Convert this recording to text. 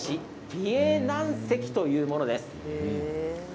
美瑛軟石というものです。